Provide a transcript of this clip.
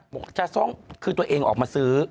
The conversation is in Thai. บอกว่าช่าซองคือตัวเองออกมาซื้อ